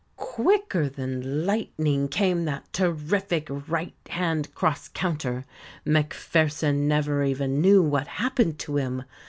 Quicker than lightning came that terrific right hand cross counter. Macpherson never even knew what happened to him.